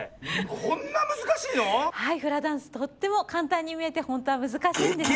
こんなむずかしいの⁉はいフラダンスとってもかんたんにみえてほんとはむずかしいんですよ。